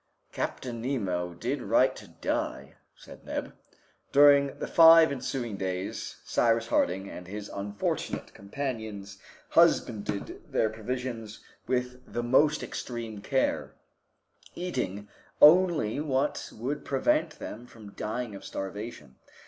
"Captain Nemo did right to die," said Neb. During the five ensuing days Cyrus Harding and his unfortunate companions husbanded their provisions with the most extreme care, eating only what would prevent them from dying of starvation.